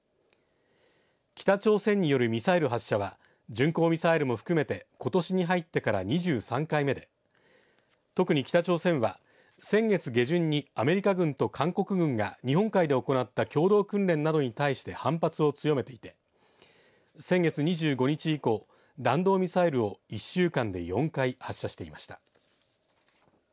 北朝鮮によるミサイル発射は巡航ミサイルも含めてことしに入ってから２３回目で特に北朝鮮は先月下旬にアメリカ軍と韓国軍が日本海で行った共同訓練などに対して反発を強めていて先月２５日以降弾道ミサイルを１週間で４回発射していました。